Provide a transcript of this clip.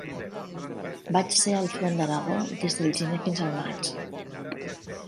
Vaig ser al front d'Aragó des del gener fins al maig